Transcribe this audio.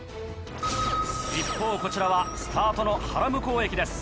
一方こちらはスタートの原向駅です。